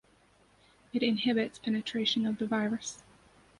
It inhibits penetration of the virus.